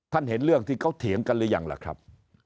เห็นเรื่องที่เขาเถียงกันหรือยังล่ะครับ